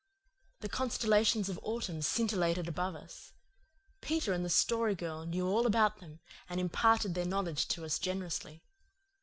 The constellations of autumn scintillated above us. Peter and the Story Girl knew all about them, and imparted their knowledge to us generously.